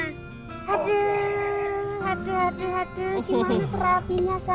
aduh aduh aduh aduh aduh gimana terapinya sayang